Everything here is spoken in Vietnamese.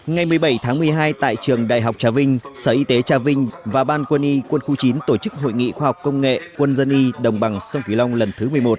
ngày một mươi bảy tháng một mươi hai tại trường đại học trà vinh sở y tế trà vinh và ban quân y quân khu chín tổ chức hội nghị khoa học công nghệ quân dân y đồng bằng sông kỳ long lần thứ một mươi một